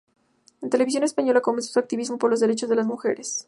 En Televisión Española comenzó su activismo por los derechos de las mujeres.